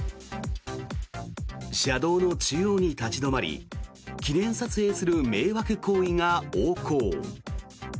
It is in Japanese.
車道の中央に立ち止まり記念撮影する迷惑行為が横行。